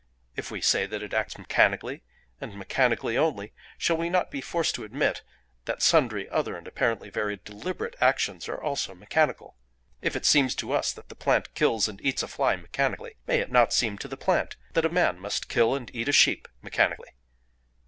If we say that it acts mechanically, and mechanically only, shall we not be forced to admit that sundry other and apparently very deliberate actions are also mechanical? If it seems to us that the plant kills and eats a fly mechanically, may it not seem to the plant that a man must kill and eat a sheep mechanically?